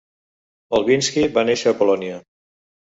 Olbinski va néixer a Polònia.